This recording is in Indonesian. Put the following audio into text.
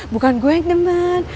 bukan gue yang nemen